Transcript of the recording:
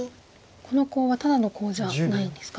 このコウはただのコウじゃないんですか？